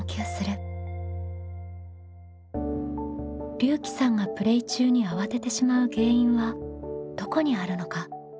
りゅうきさんがプレイ中にあわててしまう原因はどこにあるのか？